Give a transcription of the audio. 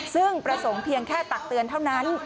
ซึ่งประสงค์เพียงแค่ตักเตือนเท่านั้น